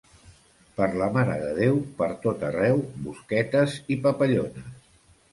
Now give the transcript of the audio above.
Per la Mare de Déu, pertot arreu, bosquetes i papallones.